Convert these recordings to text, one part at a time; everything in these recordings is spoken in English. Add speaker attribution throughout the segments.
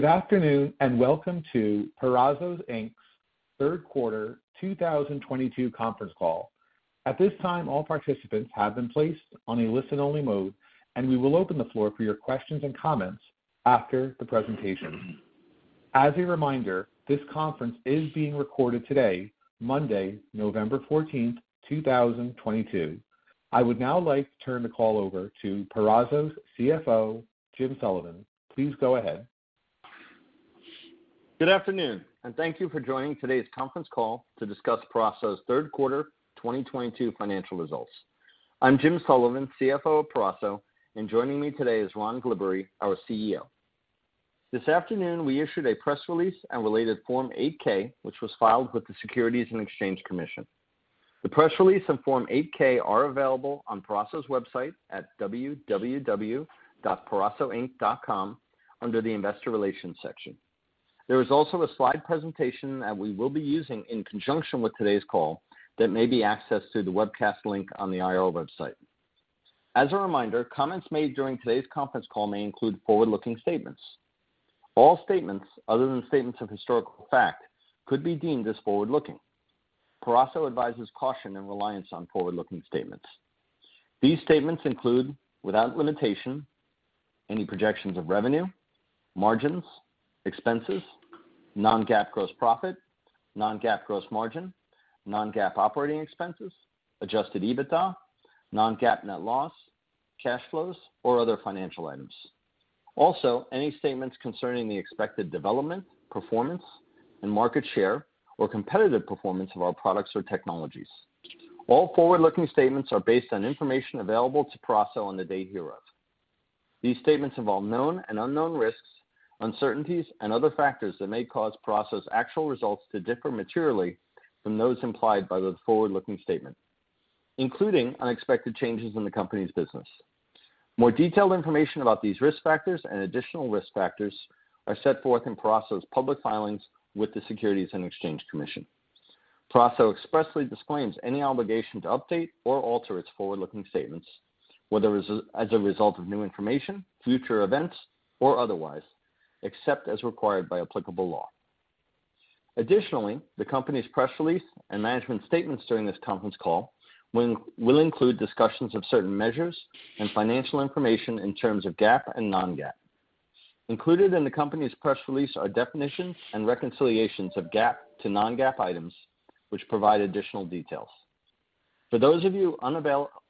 Speaker 1: Good afternoon, and welcome to Peraso Inc.'s third quarter 2022 conference call. At this time, all participants have been placed on a listen-only mode, and we will open the floor for your questions and comments after the presentation. As a reminder, this conference is being recorded today, Monday, November 14, 2022. I would now like to turn the call over to Peraso's CFO, Jim Sullivan. Please go ahead.
Speaker 2: Good afternoon, and thank you for joining today's conference call to discuss Peraso's third quarter 2022 financial results. I'm Jim Sullivan, CFO of Peraso, and joining me today is Ron Glibbery, our CEO. This afternoon, we issued a press release and related Form 8-K, which was filed with the Securities and Exchange Commission. The press release and Form 8-K are available on Peraso's website at www.perasoinc.com under the Investor Relations section. There is also a slide presentation that we will be using in conjunction with today's call that may be accessed through the webcast link on the IR website. As a reminder, comments made during today's conference call may include forward-looking statements. All statements other than statements of historical fact could be deemed as forward-looking. Peraso advises caution and reliance on forward-looking statements. These statements include, without limitation, any projections of revenue, margins, expenses, non-GAAP gross profit, non-GAAP gross margin, non-GAAP operating expenses, adjusted EBITDA, non-GAAP net loss, cash flows, or other financial items. Also, any statements concerning the expected development, performance, and market share or competitive performance of our products or technologies. All forward-looking statements are based on information available to Peraso on the date hereof. These statements have all known and unknown risks, uncertainties, and other factors that may cause Peraso's actual results to differ materially from those implied by the forward-looking statement, including unexpected changes in the company's business. More detailed information about these risk factors and additional risk factors are set forth in Peraso's public filings with the Securities and Exchange Commission. Peraso expressly disclaims any obligation to update or alter its forward-looking statements, whether as a result of new information, future events, or otherwise, except as required by applicable law. Additionally, the company's press release and management statements during this conference call will include discussions of certain measures and financial information in terms of GAAP and non-GAAP. Included in the company's press release are definitions and reconciliations of GAAP to non-GAAP items, which provide additional details. For those of you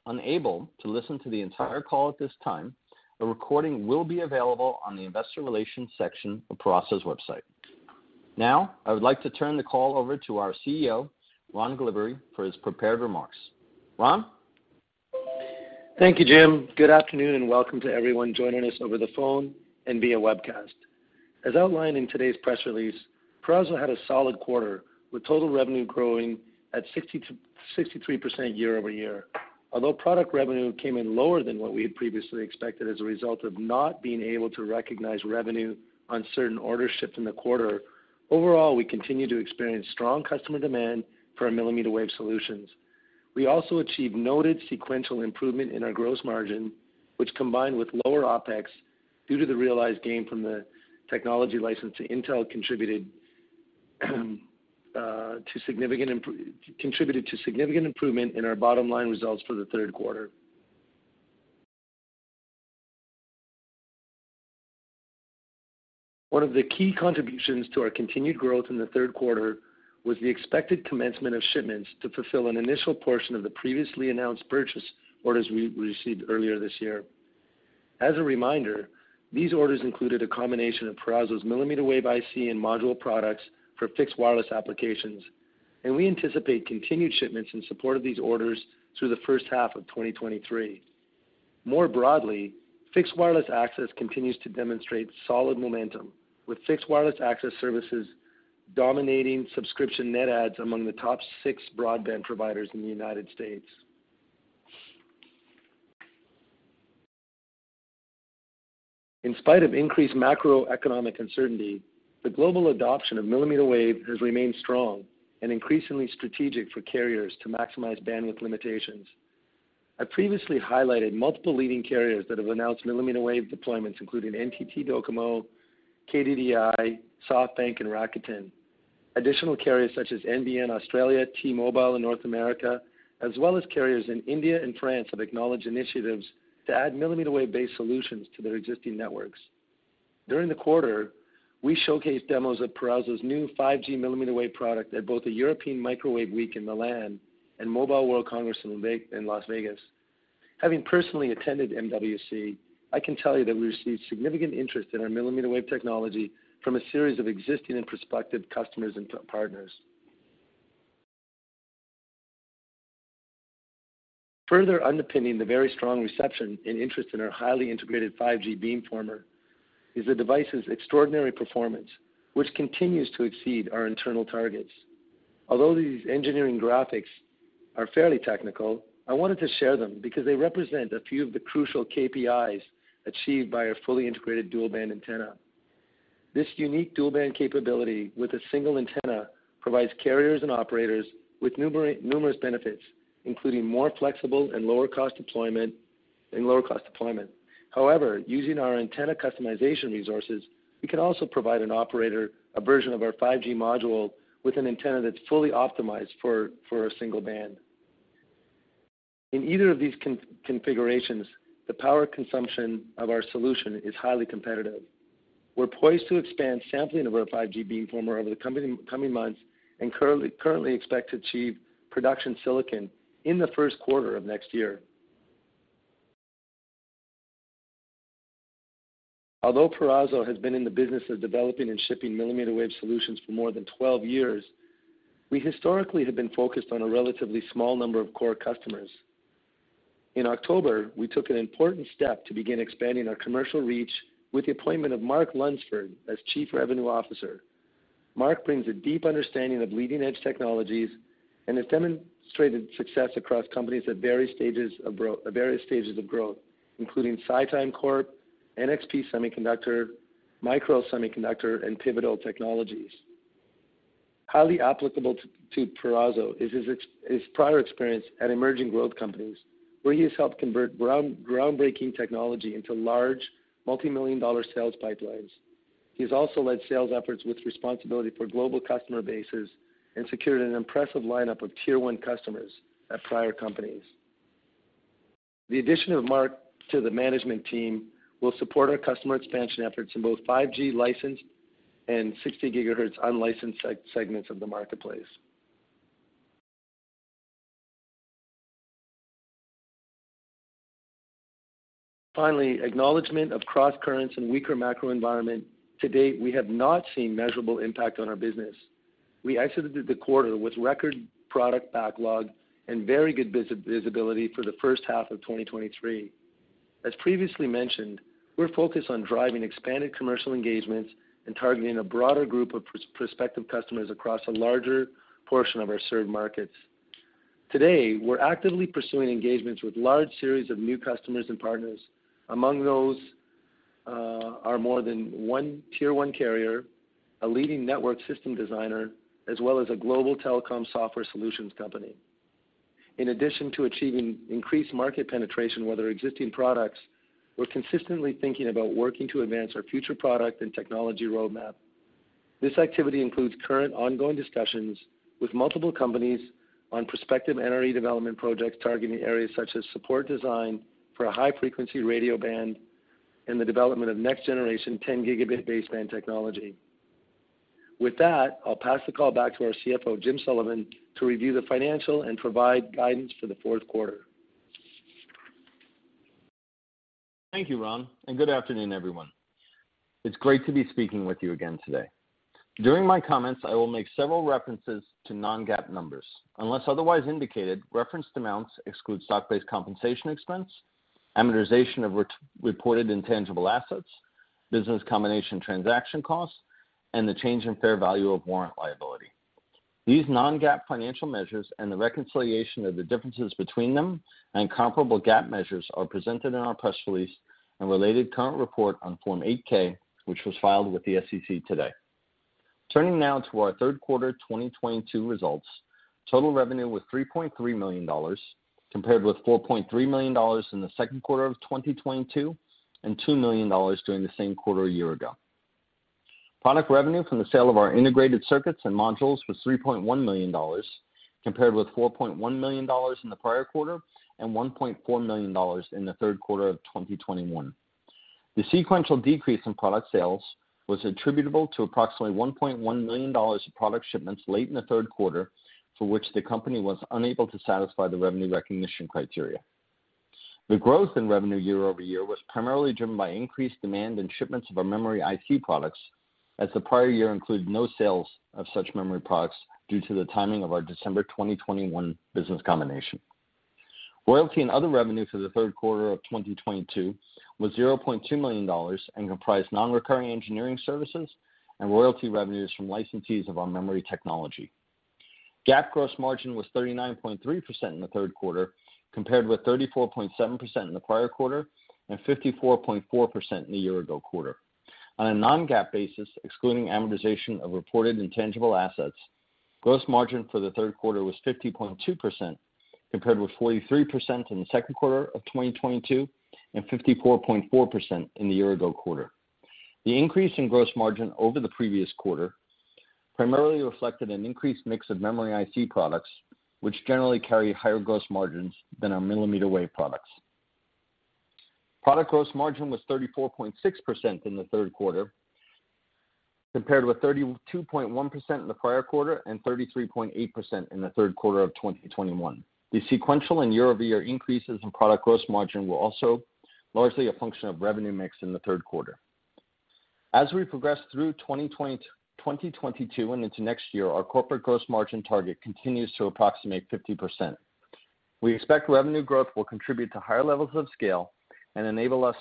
Speaker 2: unable to listen to the entire call at this time, a recording will be available on the investor relations section of Peraso's website. Now, I would like to turn the call over to our CEO, Ron Glibbery, for his prepared remarks. Ron?
Speaker 3: Thank you, Jim. Good afternoon, and welcome to everyone joining us over the phone and via webcast. As outlined in today's press release, Peraso had a solid quarter, with total revenue growing at 60%-63% year-over-year. Although product revenue came in lower than what we had previously expected as a result of not being able to recognize revenue on certain orders shipped in the quarter, overall, we continue to experience strong customer demand for our millimeter wave solutions. We also achieved noted sequential improvement in our gross margin, which combined with lower OPEX due to the realized gain from the technology license to Intel contributed to significant improvement in our bottom line results for the third quarter. One of the key contributions to our continued growth in the third quarter was the expected commencement of shipments to fulfill an initial portion of the previously announced purchase orders we received earlier this year. As a reminder, these orders included a combination of Peraso's millimeter wave IC and module products for fixed wireless applications, and we anticipate continued shipments in support of these orders through the first half of 2023. More broadly, fixed wireless access continues to demonstrate solid momentum, with fixed wireless access services dominating subscription net adds among the top six broadband providers in the United States. In spite of increased macroeconomic uncertainty, the global adoption of millimeter wave has remained strong and increasingly strategic for carriers to maximize bandwidth limitations. I previously highlighted multiple leading carriers that have announced millimeter wave deployments, including NTT DOCOMO, KDDI, SoftBank, and Rakuten. Additional carriers such as NBN Co, T-Mobile in North America, as well as carriers in India and France have acknowledged initiatives to add millimeter wave-based solutions to their existing networks. During the quarter, we showcased demos of Peraso's new 5G millimeter wave product at both the European Microwave Week in Milan and Mobile World Congress in Las Vegas. Having personally attended MWC, I can tell you that we received significant interest in our millimeter wave technology from a series of existing and prospective customers and partners. Further underpinning the very strong reception and interest in our highly integrated 5G beamformer is the device's extraordinary performance, which continues to exceed our internal targets. Although these engineering graphics are fairly technical, I wanted to share them because they represent a few of the crucial KPIs achieved by our fully integrated dual-band antenna. This unique dual-band capability with a single antenna provides carriers and operators with numerous benefits, including more flexible and lower cost deployment. However, using our antenna customization resources, we can also provide an operator a version of our 5G module with an antenna that's fully optimized for a single band. In either of these configurations, the power consumption of our solution is highly competitive. We're poised to expand sampling of our 5G beamformer over the coming months, and currently expect to achieve production silicon in the first quarter of next year. Although Peraso has been in the business of developing and shipping millimeter wave solutions for more than 12 years, we historically have been focused on a relatively small number of core customers. In October, we took an important step to begin expanding our commercial reach with the appointment of Mark Lunsford as Chief Revenue Officer. Mark brings a deep understanding of leading edge technologies and has demonstrated success across companies at various stages of growth, including SiTime Corporation, NXP Semiconductors, Micrel Semiconductor, and Pivotal Technologies. Highly applicable to Peraso is his prior experience at emerging growth companies, where he has helped convert groundbreaking technology into large multi-million dollar sales pipelines. He has also led sales efforts with responsibility for global customer bases and secured an impressive lineup of tier one customers at prior companies. The addition of Mark to the management team will support our customer expansion efforts in both 5G licensed and 60 GHz unlicensed segments of the marketplace. Finally, acknowledgment of cross-currents and weaker macro environment. To date, we have not seen measurable impact on our business. We exited the quarter with record product backlog and very good visibility for the first half of 2023. As previously mentioned, we're focused on driving expanded commercial engagements and targeting a broader group of prospective customers across a larger portion of our served markets. Today, we're actively pursuing engagements with large series of new customers and partners. Among those are more than one tier one carrier, a leading network system designer, as well as a global telecom software solutions company. In addition to achieving increased market penetration with our existing products, we're consistently thinking about working to advance our future product and technology roadmap. This activity includes current ongoing discussions with multiple companies on prospective NRE development projects targeting areas such as support design for a high frequency radio band and the development of next generation 10 Gb baseband technology. With that, I'll pass the call back to our CFO, Jim Sullivan, to review the financial and provide guidance for the fourth quarter.
Speaker 2: Thank you, Ron, and good afternoon, everyone. It's great to be speaking with you again today. During my comments, I will make several references to non-GAAP numbers. Unless otherwise indicated, referenced amounts exclude stock-based compensation expense, amortization of acquired intangible assets, business combination transaction costs, and the change in fair value of warrant liability. These non-GAAP financial measures and the reconciliation of the differences between them and comparable GAAP measures are presented in our press release and related current report on Form 8-K, which was filed with the SEC today. Turning now to our third quarter 2022 results. Total revenue was $3.3 million, compared with $4.3 million in the second quarter of 2022, and $2 million during the same quarter a year ago. Product revenue from the sale of our integrated circuits and modules was $3.1 million, compared with $4.1 million in the prior quarter and $1.4 million in the third quarter of 2021. The sequential decrease in product sales was attributable to approximately $1.1 million of product shipments late in the third quarter, for which the company was unable to satisfy the revenue recognition criteria. The growth in revenue year over year was primarily driven by increased demand and shipments of our memory IC products, as the prior year included no sales of such memory products due to the timing of our December 2021 business combination. Royalty and other revenue for the third quarter of 2022 was $0.2 million and comprised non-recurring engineering services and royalty revenues from licensees of our memory technology. GAAP gross margin was 39.3% in the third quarter, compared with 34.7% in the prior quarter and 54.4% in the year ago quarter. On a non-GAAP basis, excluding amortization of reported intangible assets, gross margin for the third quarter was 50.2%, compared with 43% in the second quarter of 2022 and 54.4% in the year ago quarter. The increase in gross margin over the previous quarter primarily reflected an increased mix of memory IC products, which generally carry higher gross margins than our millimeter wave products. Product gross margin was 34.6% in the third quarter, compared with 32.1% in the prior quarter and 33.8% in the third quarter of 2021. The sequential and year-over-year increases in product gross margin were also largely a function of revenue mix in the third quarter. As we progress through 2020-2022 and into next year, our corporate gross margin target continues to approximate 50%. We expect revenue growth will contribute to higher levels of scale and enable us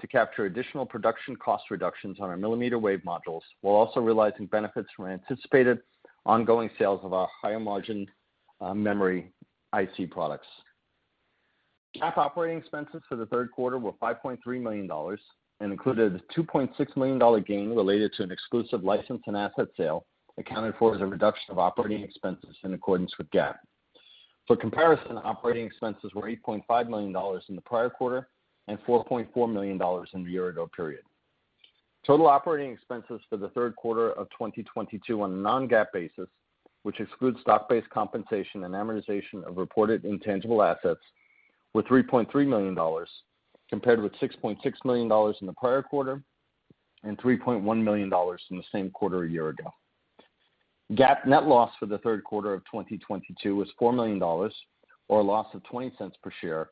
Speaker 2: to capture additional production cost reductions on our millimeter wave modules, while also realizing benefits from anticipated ongoing sales of our higher margin, memory IC products. GAAP operating expenses for the third quarter were $5.3 million and included a $2.6 million gain related to an exclusive license and asset sale accounted for as a reduction of operating expenses in accordance with GAAP. For comparison, operating expenses were $8.5 million in the prior quarter and $4.4 million in the year-ago period. Total operating expenses for the third quarter of 2022 on a non-GAAP basis, which excludes stock-based compensation and amortization of reported intangible assets, were $3.3 million, compared with $6.6 million in the prior quarter and $3.1 million in the same quarter a year ago. GAAP net loss for the third quarter of 2022 was $4 million, or a loss of $0.20 per share,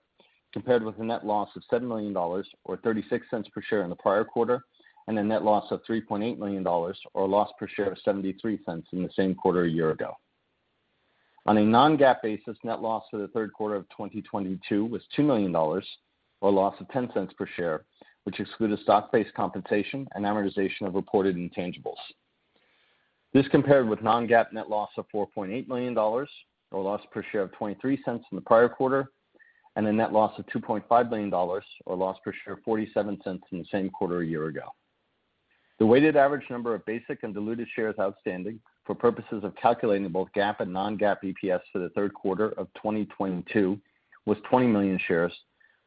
Speaker 2: compared with a net loss of $7 million or $0.36 per share in the prior quarter, and a net loss of $3.8 million or a loss per share of $0.73 in the same quarter a year ago. On a non-GAAP basis, net loss for the third quarter of 2022 was $2 million or a loss of $0.10 per share, which excluded stock-based compensation and amortization of acquired intangibles. This compared with non-GAAP net loss of $4.8 million or a loss per share of $0.23 in the prior quarter, and a net loss of $2.5 million or loss per share of $0.47 in the same quarter a year ago. The weighted average number of basic and diluted shares outstanding for purposes of calculating both GAAP and non-GAAP EPS for the third quarter of 2022 was 20 million shares,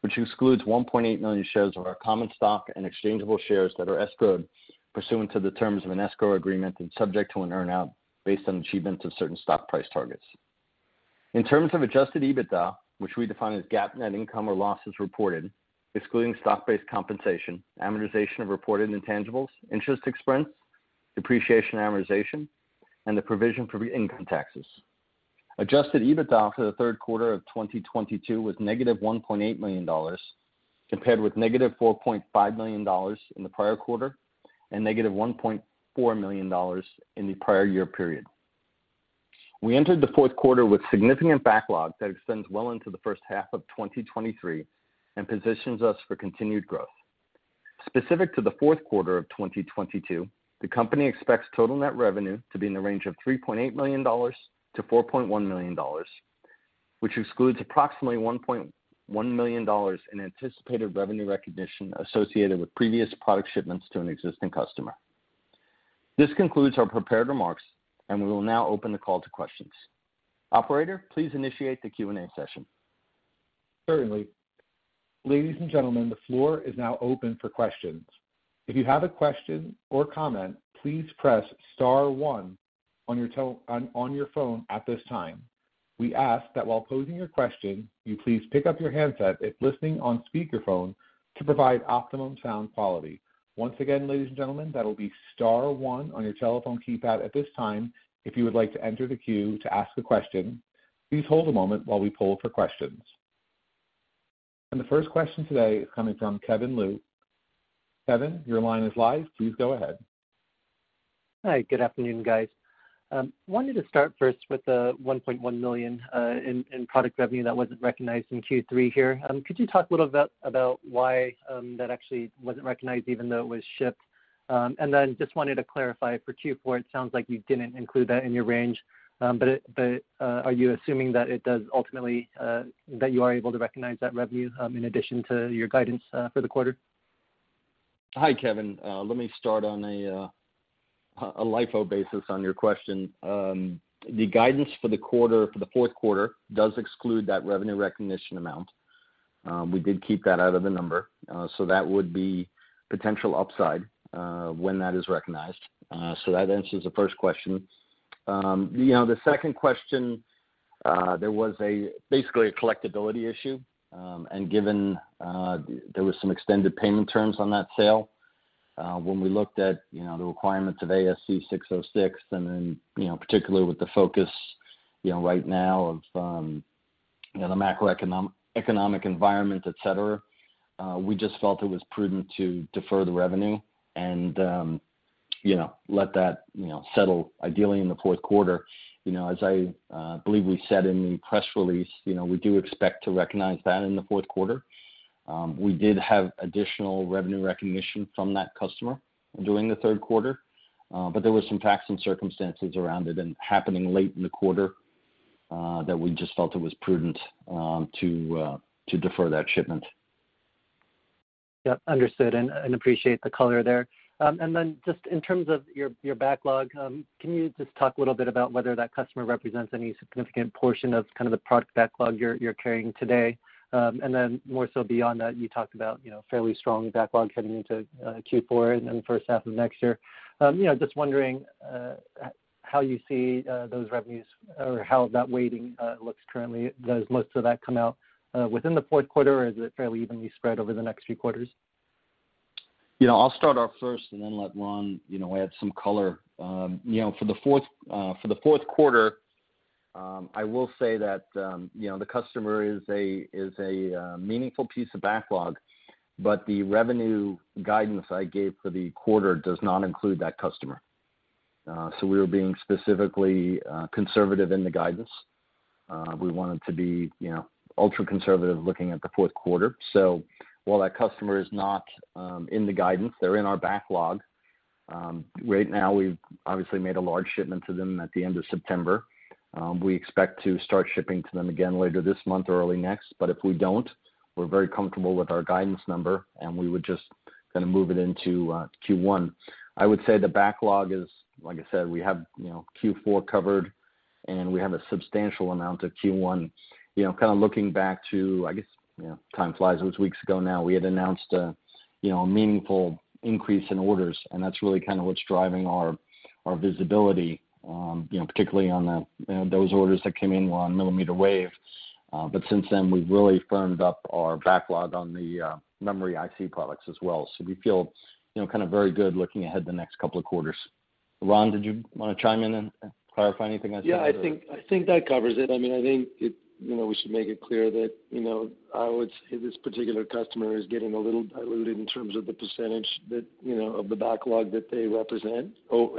Speaker 2: which excludes 1.8 million shares of our common stock and exchangeable shares that are escrowed pursuant to the terms of an escrow agreement and subject to an earn-out based on achievements of certain stock price targets. In terms of adjusted EBITDA, which we define as GAAP net income or losses reported, excluding stock-based compensation, amortization of reported intangibles, interest expense, depreciation and amortization, and the provision for income taxes. Adjusted EBITDA for the third quarter of 2022 was -$1.8 million, compared with -$4.5 million in the prior quarter and -$1.4 million in the prior year period. We entered the fourth quarter with significant backlog that extends well into the first half of 2023 and positions us for continued growth. Specific to the fourth quarter of 2022, the company expects total net revenue to be in the range of $3.8 million-$4.1 million, which excludes approximately $1.1 million in anticipated revenue recognition associated with previous product shipments to an existing customer. This concludes our prepared remarks, and we will now open the call to questions. Operator, please initiate the Q&A session.
Speaker 1: Certainly. Ladies and gentlemen, the floor is now open for questions. If you have a question or comment, please press star one on your phone at this time. We ask that while posing your question, you please pick up your handset if listening on speakerphone to provide optimum sound quality. Once again, ladies and gentlemen, that'll be star one on your telephone keypad at this time, if you would like to enter the queue to ask a question. Please hold a moment while we poll for questions. The first question today is coming from Kevin Liu. Kevin, your line is live. Please go ahead.
Speaker 4: Hi. Good afternoon, guys. Wanted to start first with the $1.1 million in product revenue that wasn't recognized in Q3 here. Could you talk a little bit about why that actually wasn't recognized even though it was shipped? Just wanted to clarify for Q4, it sounds like you didn't include that in your range, but are you assuming that it does ultimately that you are able to recognize that revenue in addition to your guidance for the quarter?
Speaker 2: Hi, Kevin. Let me start on a LIFO basis on your question. The guidance for the quarter, for the fourth quarter does exclude that revenue recognition amount. We did keep that out of the number. So that would be potential upside when that is recognized. So that answers the first question. You know, the second question, there was basically a collectibility issue, and given there was some extended payment terms on that sale, when we looked at you know, the requirements of ASC 606, and then you know, particularly with the focus you know, right now of you know, the macroeconomic environment, et cetera, we just felt it was prudent to defer the revenue and you know, let that you know, settle ideally in the fourth quarter. You know, as I believe we said in the press release, you know, we do expect to recognize that in the fourth quarter. We did have additional revenue recognition from that customer during the third quarter, but there were some facts and circumstances around it and happening late in the quarter, that we just felt it was prudent, to defer that shipment.
Speaker 4: Yep. Understood. Appreciate the color there. Just in terms of your backlog, can you just talk a little bit about whether that customer represents any significant portion of kind of the product backlog you're carrying today? More so beyond that, you talked about, you know, fairly strong backlog heading into Q4 and then the first half of next year. You know, just wondering how you see those revenues or how that weighting looks currently. Does most of that come out within the fourth quarter, or is it fairly evenly spread over the next few quarters?
Speaker 2: You know, I'll start off first and then let Ron, you know, add some color. You know, for the fourth quarter, I will say that, you know, the customer is a meaningful piece of backlog, but the revenue guidance I gave for the quarter does not include that customer. We were being specifically conservative in the guidance. We wanted to be, you know, ultra-conservative looking at the fourth quarter. While that customer is not in the guidance, they're in our backlog. Right now, we've obviously made a large shipment to them at the end of September. We expect to start shipping to them again later this month or early next, but if we don't, we're very comfortable with our guidance number, and we would just kind of move it into Q1. I would say the backlog is, like I said, we have, you know, Q4 covered, and we have a substantial amount of Q1. You know, kind of looking back to, I guess, you know, time flies, it was weeks ago now, we had announced a, you know, a meaningful increase in orders, and that's really kind of what's driving our visibility, you know, particularly on the, you know, those orders that came in were on millimeter wave. Since then, we've really firmed up our backlog on the memory IC products as well. We feel, you know, kind of very good looking ahead the next couple of quarters. Ron, did you wanna chime in and clarify anything I said?
Speaker 3: Yeah, I think that covers it. I mean, I think it, you know, we should make it clear that, you know, I would say this particular customer is getting a little diluted in terms of the percentage that, you know, of the backlog that they represent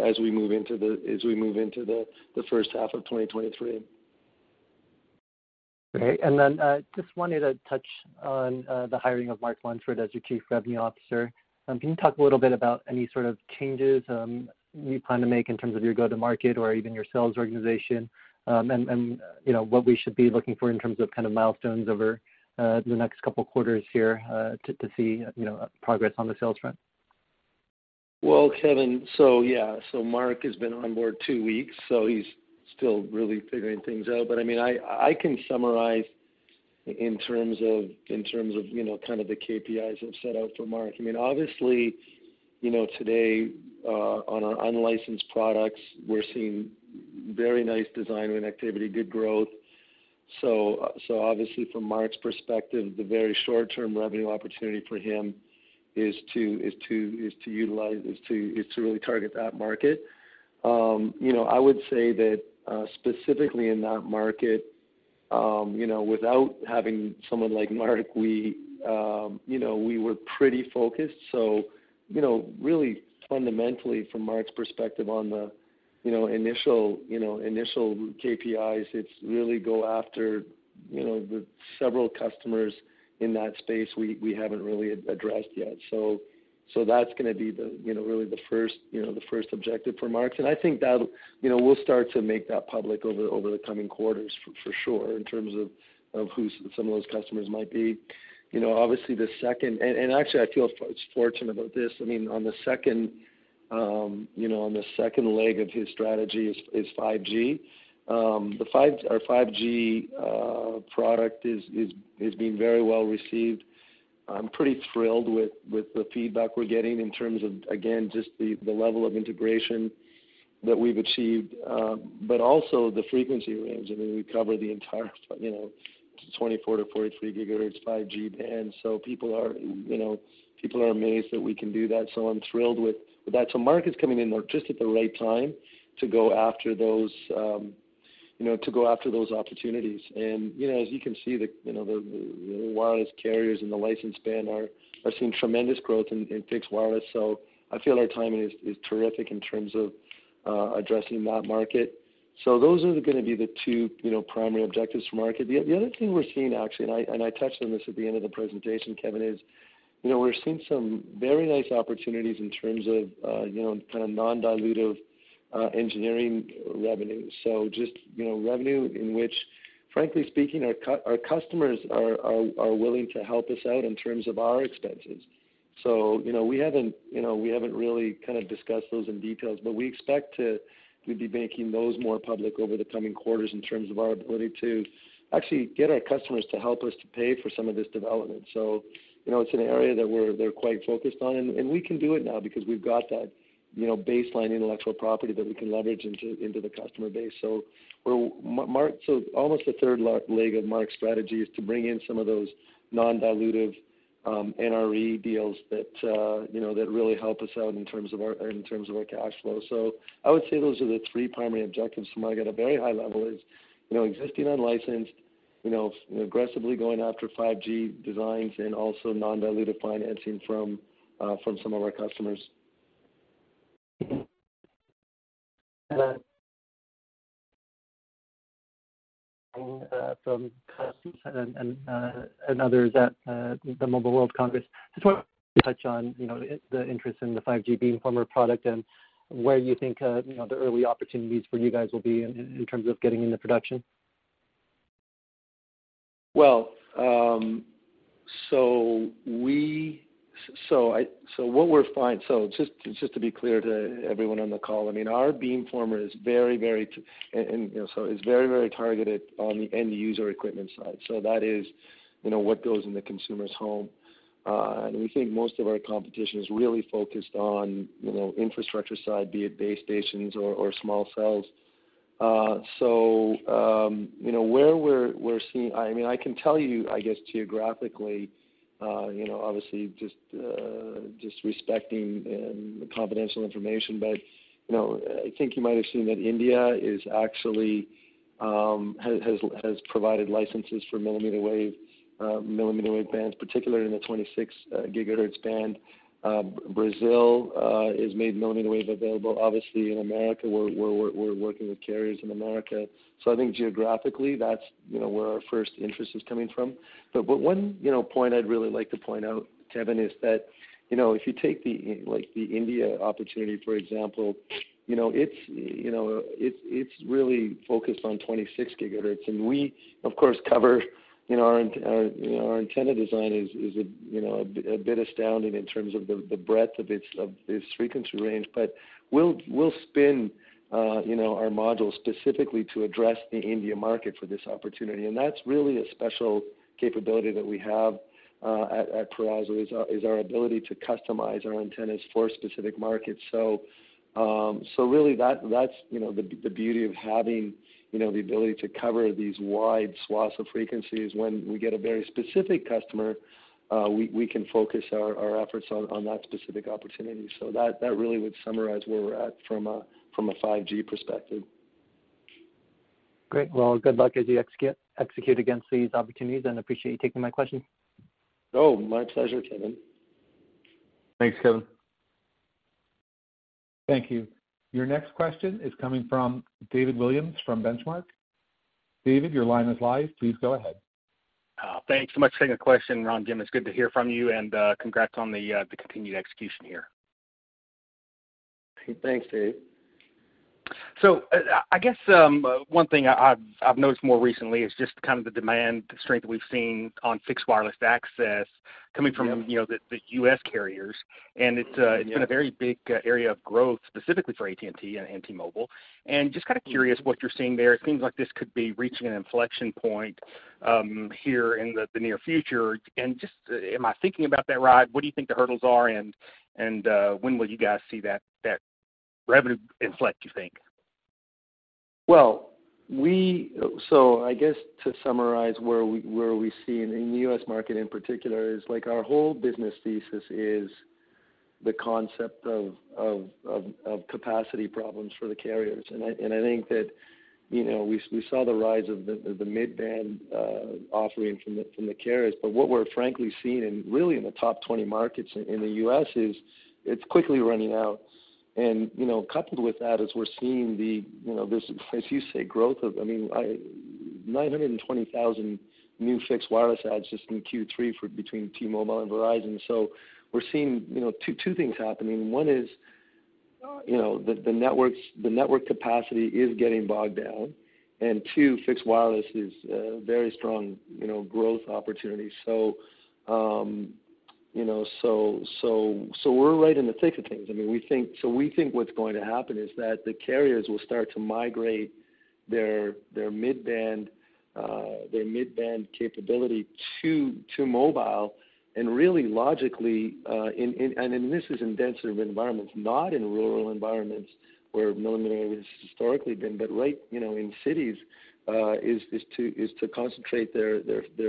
Speaker 3: as we move into the first half of 2023.
Speaker 4: Okay. Just wanted to touch on the hiring of Mark Lunsford as your Chief Revenue Officer. Can you talk a little bit about any sort of changes you plan to make in terms of your go-to-market or even your sales organization, and you know, what we should be looking for in terms of kind of milestones over the next couple quarters here to see you know, progress on the sales front?
Speaker 3: Well, Kevin, yeah. Mark has been on board two weeks, so he's still really figuring things out. I mean, I can summarize in terms of, you know, kind of the KPIs I've set out for Mark. I mean, obviously, you know, today, on our unlicensed products, we're seeing very nice design win activity, good growth. Obviously from Mark's perspective, the very short-term revenue opportunity for him is to really target that market. You know, I would say that, specifically in that market, you know, without having someone like Mark, we, you know, were pretty focused. You know, really fundamentally from Mark's perspective on the initial KPIs, it's really go after the several customers in that space we haven't really addressed yet. That's gonna be the first objective for Mark. I think that'll you know we'll start to make that public over the coming quarters for sure in terms of who some of those customers might be. You know, obviously the second and actually I feel fortunate about this. I mean, on the second leg of his strategy is 5G. Our 5G product is being very well received. I'm pretty thrilled with the feedback we're getting in terms of, again, just the level of integration that we've achieved, but also the frequency range. I mean, we cover the entire, you know, 24 GHz-43 GHz 5G band. So people are, you know, amazed that we can do that, so I'm thrilled with that. So Mark is coming in just at the right time to go after those opportunities. You know, as you can see, the wireless carriers in the licensed band are seeing tremendous growth in fixed wireless. So I feel our timing is terrific in terms of addressing that market. So those are gonna be the two, you know, primary objectives for Mark. The other thing we're seeing actually, and I touched on this at the end of the presentation, Kevin Liu, is you know, we're seeing some very nice opportunities in terms of you know, kind of non-dilutive engineering revenue. Just you know, revenue in which frankly speaking, our customers are willing to help us out in terms of our expenses. You know, we haven't really kind of discussed those in detail, but we'd be making those more public over the coming quarters in terms of our ability to actually get our customers to help us to pay for some of this development. You know, it's an area that we're quite focused on. We can do it now because we've got that, you know, baseline intellectual property that we can leverage into the customer base. Mark, almost the third leg of Mark's strategy is to bring in some of those non-dilutive NRE deals that, you know, that really help us out in terms of our cash flow. I would say those are the three primary objectives for Mark at a very high level is, you know, existing unlicensed, you know, aggressively going after 5G designs and also non-dilutive financing from some of our customers.
Speaker 4: from customers and others at the Mobile World Congress, just wanna touch on, you know, the interest in the 5G beamformer product and where you think, you know, the early opportunities for you guys will be in terms of getting into production.
Speaker 3: Just to be clear to everyone on the call, I mean, our beamformer is very, very targeted on the end user equipment side. That is, you know, what goes in the consumer's home. We think most of our competition is really focused on, you know, infrastructure side, be it base stations or small cells. You know, where we're seeing, I mean, I can tell you, I guess, geographically, you know, obviously just respecting the confidential information. You know, I think you might have seen that India actually has provided licenses for millimeter wave bands, particularly in the 26 GHz band. Brazil has made millimeter wave available, obviously in America, we're working with carriers in America. I think geographically, that's, you know, where our first interest is coming from. One, you know, point I'd really like to point out, Kevin, is that, you know, if you take, like, the India opportunity, for example, you know, it's really focused on 26 GHz. We, of course, cover, you know, our antenna design is, you know, a bit astounding in terms of the breadth of its frequency range. We'll spin, you know, our modules specifically to address the India market for this opportunity. That's really a special capability that we have at Peraso, is our ability to customize our antennas for specific markets. Really, that's, you know, the beauty of having, you know, the ability to cover these wide swaths of frequencies. When we get a very specific customer, we can focus our efforts on that specific opportunity. That really would summarize where we're at from a 5G perspective.
Speaker 4: Great. Well, good luck as you execute against these opportunities, and appreciate you taking my question.
Speaker 3: Oh, my pleasure, Kevin.
Speaker 2: Thanks, Kevin.
Speaker 1: Thank you. Your next question is coming from David Williams from Benchmark. David, your line is live. Please go ahead.
Speaker 5: Thanks so much for taking the question, Ron. Jim, it's good to hear from you and congrats on the continued execution here.
Speaker 3: Thanks, Dave.
Speaker 5: I guess one thing I've noticed more recently is just kind of the demand strength we've seen on fixed wireless access coming from.
Speaker 3: Yeah.
Speaker 5: you know, the U.S. carriers.
Speaker 3: Yeah.
Speaker 5: It's been a very big area of growth specifically for AT&T and T-Mobile. Just kinda curious what you're seeing there. It seems like this could be reaching an inflection point here in the near future. Am I thinking about that right? What do you think the hurdles are? When will you guys see that revenue inflect, you think?
Speaker 3: Well, I guess to summarize where we see in the U.S. market in particular is like our whole business thesis is the concept of capacity problems for the carriers. I think that, you know, we saw the rise of the mid-band offering from the carriers. What we're frankly seeing and really in the top 20 markets in the U.S. is it's quickly running out. You know, coupled with that is we're seeing the, you know, this, as you say, growth of, I mean, 920,000 new fixed wireless adds just in Q3 for between T-Mobile and Verizon. We're seeing, you know, two things happening. One is, you know, the networks, the network capacity is getting bogged down. Two, fixed wireless is a very strong, you know, growth opportunity. So we're right in the thick of things. I mean, we think what's going to happen is that the carriers will start to migrate their mid-band capability to mobile and really logically, and this is in denser environments, not in rural environments where millimeter has historically been, but right, you know, in cities, is to concentrate their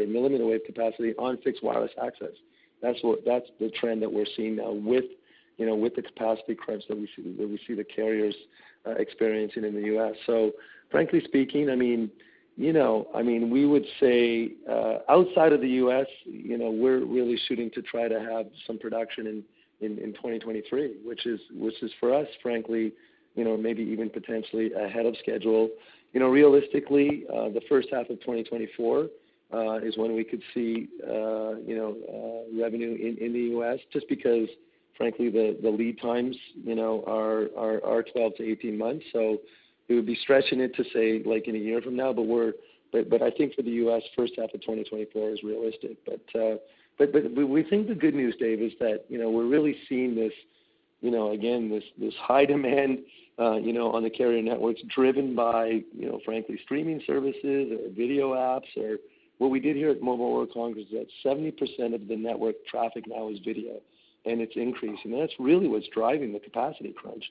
Speaker 3: millimeter wave capacity on fixed wireless access. That's what that's the trend that we're seeing now with, you know, with the capacity crunch that we see the carriers experiencing in the U.S.. Frankly speaking, I mean, you know, I mean, we would say outside of the U.S., you know, we're really shooting to try to have some production in 2023, which is for us, frankly, you know, maybe even potentially ahead of schedule. You know, realistically, the first half of 2024 is when we could see you know, revenue in the U.S., just because, frankly, the lead times, you know, are 12-18 months. We would be stretching it to say, like in a year from now, but I think for the U.S., first half of 2024 is realistic. We think the good news, Dave, is that, you know, we're really seeing this, you know, again, this high demand, you know, on the carrier networks driven by, you know, frankly, streaming services or video apps or what we did here at Mobile World Congress that 70% of the network traffic now is video, and it's increasing. That's really what's driving the capacity crunch.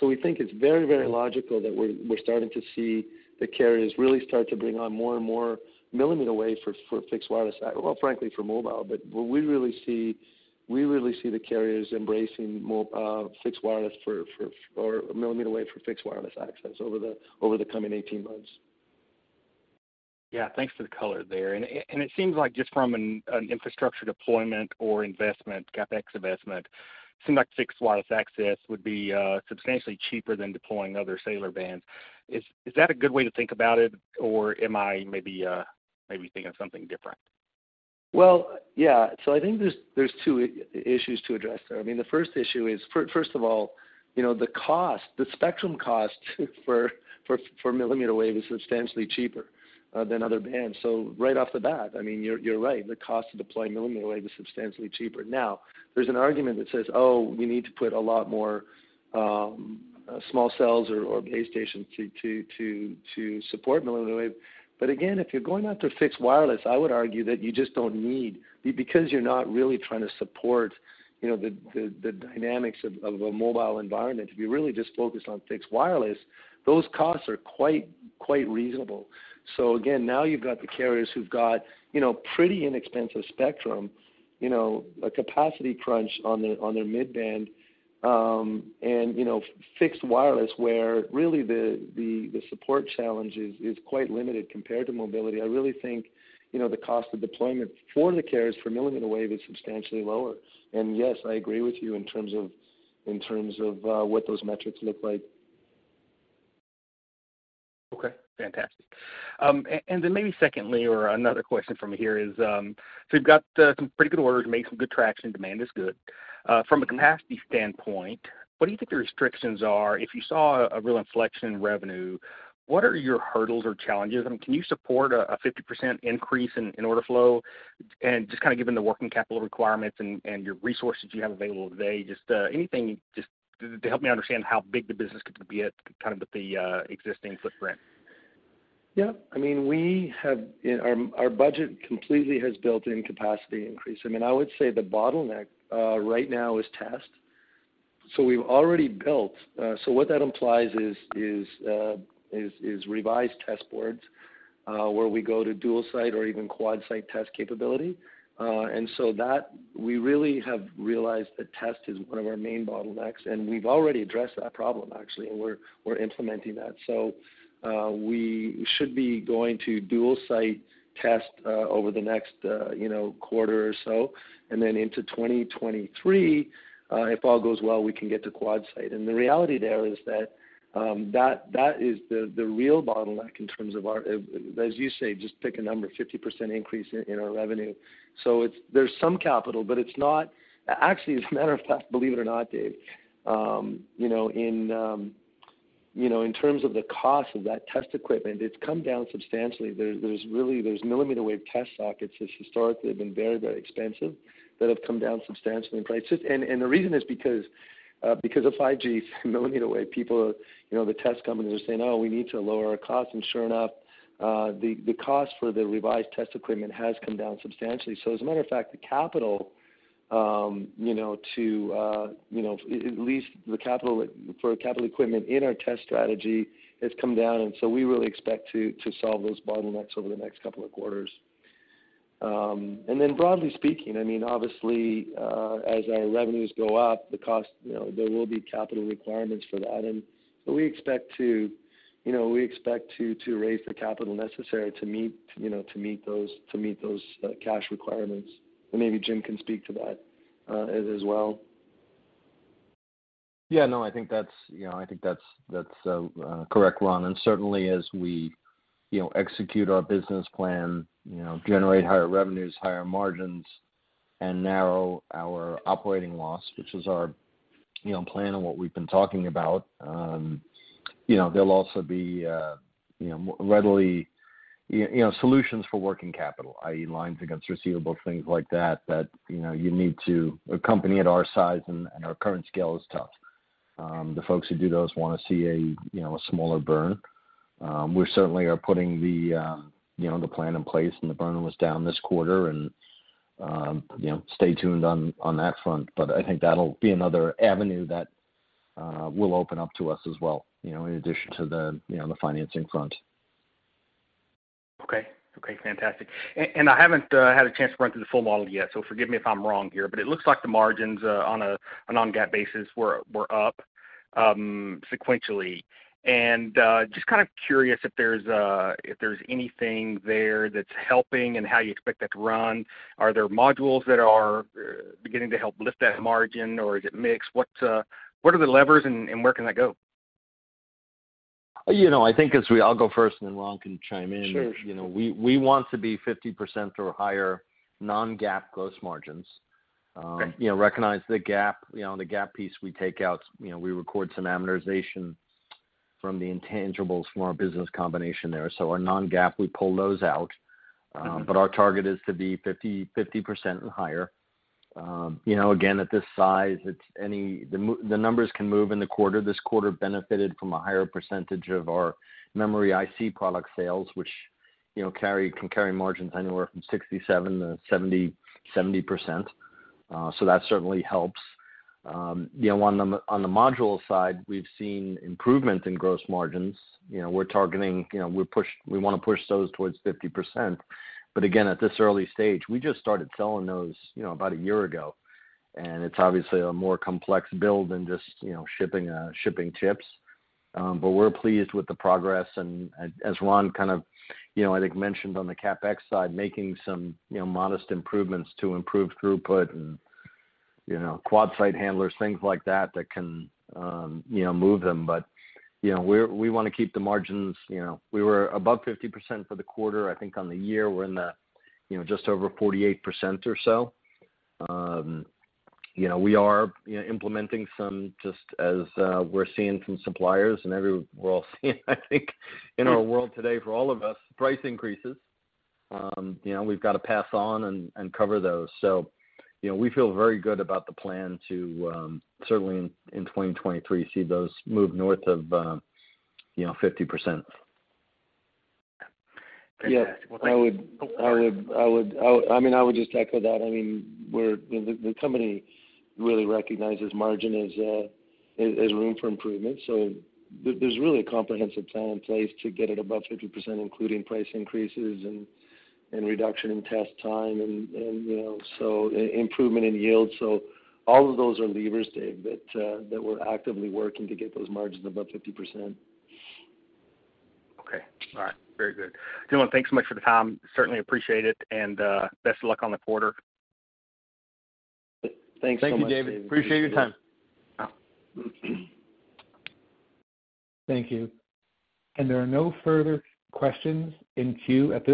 Speaker 3: We think it's very, very logical that we're starting to see the carriers really start to bring on more and more millimeter wave for fixed wireless, well, frankly, for mobile, but what we really see, the carriers embracing fixed wireless, or millimeter wave for fixed wireless access over the coming 18 months.
Speaker 5: Yeah. Thanks for the color there. It seems like just from an infrastructure deployment or investment, CapEx investment, it seems like fixed wireless access would be substantially cheaper than deploying other cellular bands. Is that a good way to think about it, or am I maybe thinking of something different?
Speaker 3: Well, yeah. I think there's two issues to address there. I mean, the first issue is, first of all, you know, the cost, the spectrum cost for millimeter wave is substantially cheaper than other bands. Right off the bat, I mean, you're right, the cost to deploy millimeter wave is substantially cheaper. Now, there's an argument that says, oh, we need to put a lot more small cells or base stations to support millimeter wave. But again, if you're going out to fixed wireless, I would argue that you just don't need. Because you're not really trying to support, you know, the dynamics of a mobile environment. If you're really just focused on fixed wireless, those costs are quite reasonable. Again, now you've got the carriers who've got, you know, pretty inexpensive spectrum, you know, a capacity crunch on their mid-band, and, you know, fixed wireless where really the support challenge is quite limited compared to mobility. I really think, you know, the cost of deployment for the carriers for millimeter wave is substantially lower. Yes, I agree with you in terms of what those metrics look like.
Speaker 5: Okay, fantastic. Maybe secondly or another question from me here is, so you've got some pretty good orders, made some good traction, demand is good. From a capacity standpoint, what do you think the restrictions are? If you saw a real inflection in revenue, what are your hurdles or challenges? I mean, can you support a 50% increase in order flow? Just kinda given the working capital requirements and your resources you have available today, just anything just to help me understand how big the business could be at kind of with the existing footprint.
Speaker 3: Yeah. I mean, we have. You know, our budget completely has built in capacity increase. I mean, I would say the bottleneck right now is test. We've already built. What that implies is revised test boards, where we go to dual site or even quad site test capability. We really have realized that test is one of our main bottlenecks, and we've already addressed that problem actually, and we're implementing that. We should be going to dual site test over the next, you know, quarter or so. Then into 2023, if all goes well, we can get to quad site. The reality there is that that is the real bottleneck in terms of our. As you say, just pick a number, 50% increase in our revenue. There's some capital, but it's not actually, as a matter of fact, believe it or not, Dave, you know, in terms of the cost of that test equipment, it's come down substantially. There's really millimeter wave test sockets that's historically been very, very expensive that have come down substantially in price. The reason is because of 5G millimeter wave people, you know, the test companies are saying, "Oh, we need to lower our costs." And sure enough, the cost for the revised test equipment has come down substantially. As a matter of fact, the capital at least for capital equipment in our test strategy has come down, and we really expect to solve those bottlenecks over the next couple of quarters. Then broadly speaking, I mean, obviously, as our revenues go up, the cost, you know, there will be capital requirements for that. We expect to raise the capital necessary to meet those cash requirements. Maybe Jim can speak to that, as well.
Speaker 2: Yeah, no, I think that's, you know, correct, Ron. Certainly as we, you know, execute our business plan, you know, generate higher revenues, higher margins, and narrow our operating loss, which is our, you know, plan and what we've been talking about, you know, there'll also be, you know, solutions for working capital, i.e. lines against receivables, things like that, you know, a company at our size and our current scale is tough. The folks who do those wanna see a, you know, a smaller burn. We certainly are putting the, you know, the plan in place, and the burn was down this quarter and, you know, stay tuned on that front. I think that'll be another avenue that will open up to us as well, you know, in addition to the, you know, the financing front.
Speaker 5: Okay. Okay, fantastic. I haven't had a chance to run through the full model yet, so forgive me if I'm wrong here, but it looks like the margins on a non-GAAP basis were up sequentially. Just kind of curious if there's anything there that's helping and how you expect that to run. Are there modules that are beginning to help lift that margin or is it mix? What are the levers and where can that go?
Speaker 2: You know, I think I'll go first and then Ron can chime in.
Speaker 3: Sure.
Speaker 2: You know, we want to be 50% or higher non-GAAP gross margins.
Speaker 5: Okay.
Speaker 2: You know, under GAAP. You know, on the GAAP piece we take out, you know, we record some amortization from the intangibles from our business combination there. Our non-GAAP, we pull those out.
Speaker 5: Okay.
Speaker 2: Our target is to be 50% and higher. You know, again, at this size, the numbers can move in the quarter. This quarter benefited from a higher percentage of our memory IC product sales which, you know, can carry margins anywhere from 67%-70%. So that certainly helps. You know, on the module side, we've seen improvement in gross margins. You know, we're targeting, you know, we push, we wanna push those towards 50%. Again, at this early stage, we just started selling those, you know, about a year ago, and it's obviously a more complex build than just, you know, shipping chips. We're pleased with the progress and as Ron kind of, you know, I think mentioned on the CapEx side, making some, you know, modest improvements to improve throughput and, you know, quad site handlers, things like that that can, you know, move them. You know, we want to keep the margins, you know. We were above 50% for the quarter. I think on the year we're in the, you know, just over 48% or so. You know, we are, you know, implementing some, just as we're seeing from suppliers and everywhere, we're all seeing I think in our world today for all of us, price increases. You know, we've got to pass on and cover those. You know, we feel very good about the plan to certainly in 2023 see those move north of, you know, 50%.
Speaker 5: Fantastic.
Speaker 3: Yeah. I mean, I would just echo that. I mean, the company really recognizes margin as room for improvement. There's really a comprehensive plan in place to get it above 50%, including price increases and reduction in test time and you know, so improvement in yield. All of those are levers, David, that we're actively working to get those margins above 50%.
Speaker 5: Okay. All right. Very good. Gentlemen, thanks so much for the time. Certainly appreciate it, and best of luck on the quarter.
Speaker 3: Thanks so much, Dave.
Speaker 2: Thank you, David. Appreciate your time.
Speaker 3: Yeah.
Speaker 1: Thank you. There are no further questions in queue at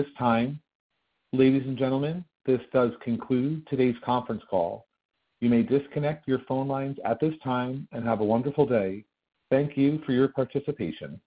Speaker 1: this time. Ladies and gentlemen, this does conclude today's conference call. You may disconnect your phone lines at this time, and have a wonderful day. Thank you for your participation.